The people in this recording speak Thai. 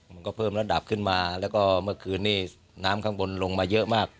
มันก็เพิ่มระดับขึ้นมาแล้วก็เมื่อคืนนี้น้ำข้างบนลงมาเยอะมาก